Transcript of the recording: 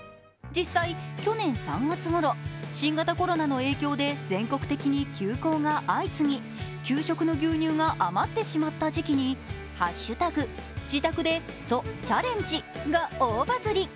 去年３月ごろ、新型コロナウイルスの影響で全国的に休校が相次ぎ、給食の牛乳が余ってしまったときに「＃自宅で蘇チャレンジ」が大バズり。